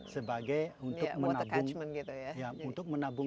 sebagai untuk menabung